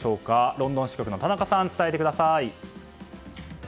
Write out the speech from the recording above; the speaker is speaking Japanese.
ロンドン支局の田中さん伝えてください。